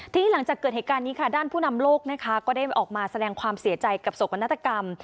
ทีนี้หลังจากเกิดเหตุการณ์นี้ค่ะด้านผู้นำโลกนะคะก็ได้ออกมาแสดงความเสียใจกับโศกนาฏกรรม